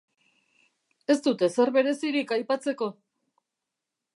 Ez dut ezer berezirik aipatzeko.